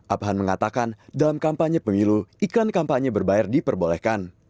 abhan mengatakan dalam kampanye pemilu iklan kampanye berbayar diperbolehkan